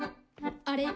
あれ？